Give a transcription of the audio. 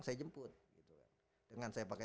saya jemput dengan saya pakai